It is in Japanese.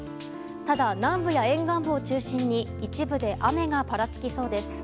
ただ、南部や沿岸部を中心に一部で雨がぱらつきそうです。